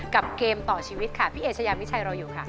เกมต่อชีวิตค่ะพี่เอชยามิชัยรออยู่ค่ะ